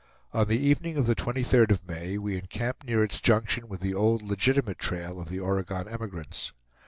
On the evening of the 23d of May we encamped near its junction with the old legitimate trail of the Oregon emigrants.